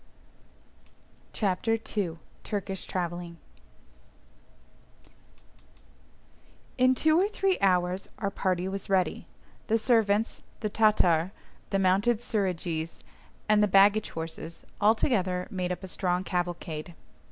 CHAPTER II—TURKISH TRAVELLING In two or three hours our party was ready; the servants, the Tatar, the mounted Suridgees, and the baggage horses, altogether made up a strong cavalcade.